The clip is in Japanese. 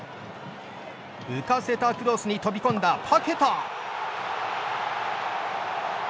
浮かせたクロスに飛び込んだパケタ。